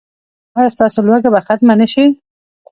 ایا ستاسو لوږه به ختمه نه شي؟